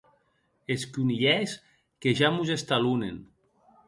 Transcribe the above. Es conilhèrs que ja mos estalonen.